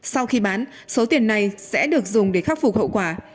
sau khi bán số tiền này sẽ được dùng để khắc phục hậu quả